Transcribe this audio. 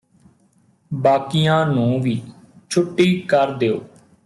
ਬਾਕੀਆਂ ਨੂੰ ਵੀ ਛੁੱਟੀ ਕਰ ਦਿਉ